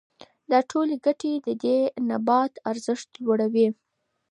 دا ټولې ګټې د دې نبات ارزښت لوړوي.